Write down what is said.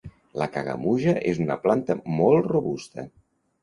La cagamuja és una planta molt robusta.